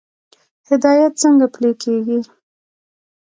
هدایت څنګه پلی کیږي؟